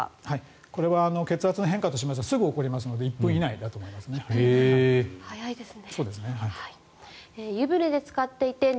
これは血圧の変化としましてはすぐに起こりますので１分以内だと思いますね。